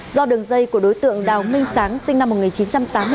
do đường dây của đối tượng đào minh sáng sinh năm một nghìn chín trăm tám mươi bốn